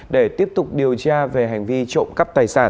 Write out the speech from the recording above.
để tiếp tục điều tra về hành vi trộm cắp tài sản